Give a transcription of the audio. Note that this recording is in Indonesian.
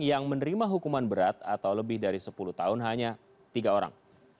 yang menerima hukuman berat atau lebih dari sepuluh tahun hanya tiga orang